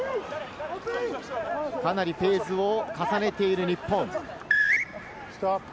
かなりフェーズを重ねている日本。